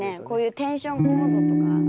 こういうテンションコードとか。